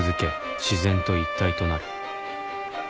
自然と一体となる」